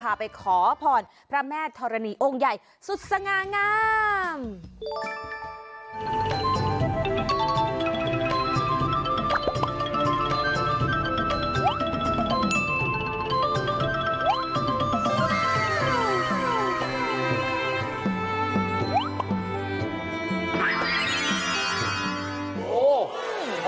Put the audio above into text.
ไปขอพรพระแม่ธรณีองค์ใหญ่สุดสง่างาม